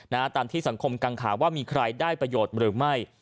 ตามที่สังคมกังขาว่ามีใครได้ประโยชน์หรือไม่